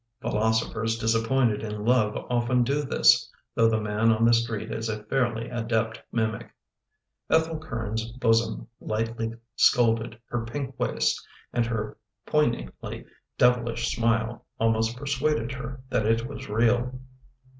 Philosophers disappointed in love often do this, though the man on the street is a fairly adept mimic. Ethel Curn's bosom lightly scolded her pink waist and her poignantly devilish smile almost per suaded her that it was real.